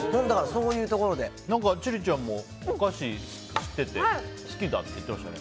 千里ちゃんもお菓子知ってて好きだって言っていましたね。